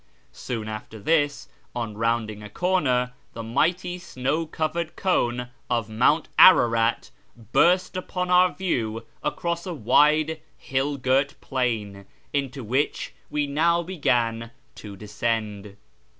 Soon after this, on rounding a corner, the mighty snow crowned cone of Mount Ararat burst upon our view across a wide hill girt plain, into which we now began to descend.